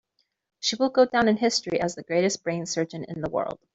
She will go down in history as the greatest brain surgeon in the world.